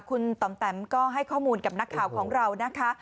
คุณต่อมแตมก็ให้ข้อมูลกับนักข่าวของเรานะคะ